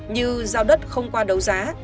như giao đất không qua đấu giá